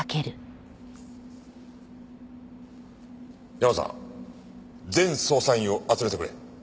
ヤマさん全捜査員を集めてくれ。